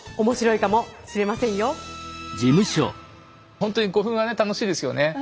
ほんとに古墳はね楽しいですよね。